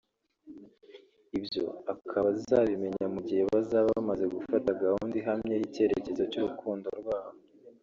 ibyo akaba azabimenya mu gihe bazaba bamaze gufata gahunda ihamye y’icyerecyezo cy’urukundo rwabo